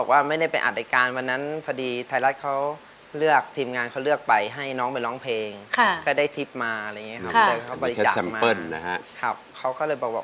ค่ะเขาบริจาคมามีแค่แซมเปิลนะฮะครับเขาก็เลยบอกว่า